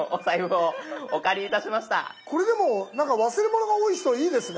これでも忘れ物が多い人いいですね。